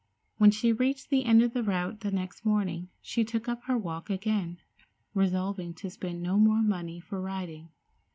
When she reached the end of the route the next morning, she took up her walk again, resolving to spend no more money for riding.